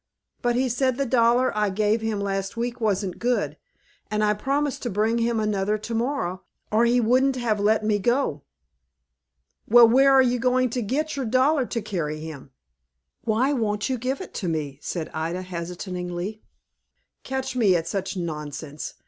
"But he said the dollar I gave him last week wasn't good, and I promised to bring him another to morrow, or he wouldn't have let me go." "Well, where are you going to get your dollar to carry him?" "Why, won't you give it to me?" said Ida, hesitatingly. "Catch me at such nonsense!